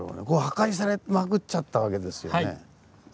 ここ破壊されまくっちゃったわけですよね。